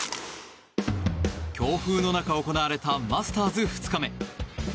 強風の中、行われたマスターズ２日目。